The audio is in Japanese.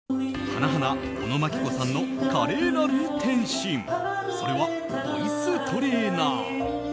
花、おのまきこさんの華麗なる転身それはボイストレーナー。